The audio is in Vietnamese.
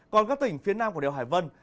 còn các tỉnh phía nam của đèo hải vân